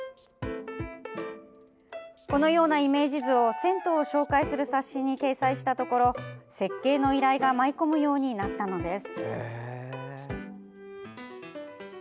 このようなイメージ図を銭湯を紹介する冊子に掲載したところ設計の依頼が舞い込むようになったのです。